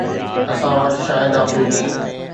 اسان وٽ شاهد فريدي